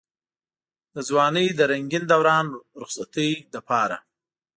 د ځوانۍ د رنګين دوران رخصتۍ لپاره.